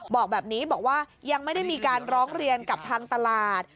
บอกแบบนี้บอกว่ายังไม่ได้มีการร้องเรียนกับทางตลาด